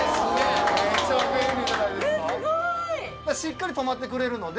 すごい！しっかりとまってくれるので。